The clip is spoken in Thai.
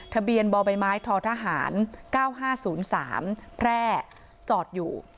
ทะเบียนบ่อใบไม้ททหาร๙๕๐๓แพร่จอดอยู่